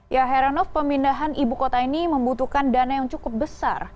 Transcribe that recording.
ya heranov pemindahan ibu kota ini membutuhkan dana yang cukup besar